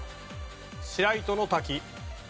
白糸ノ滝。